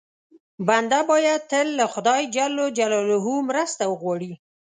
بنده باید تل له خدای ج مرسته وغواړي.